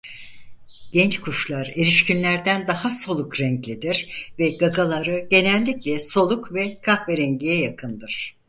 Genç kuşlar erişkinlerden daha soluk renklidir ve gagaları genellikle soluk ve kahverengine yakındır.